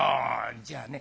「じゃあね